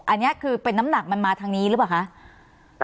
อันเนี่ยเป็นน้ำหนักมาทางนี้รึเปล่าคะ